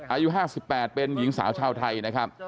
อายุ๕๘เป็นหญิงสาวชาวไทยนะครับ